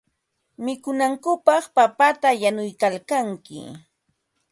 Mikunankupaq papata yanuykalkanki.